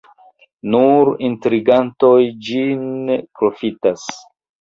Nur intrigantoj ĝin profitas.